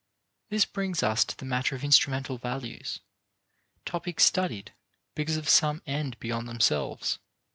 This brings us to the matter of instrumental values topics studied because of some end beyond themselves.